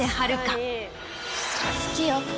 好きよ